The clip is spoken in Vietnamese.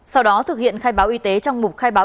sau đó thực hiện khai báo y tế trong mục khai báo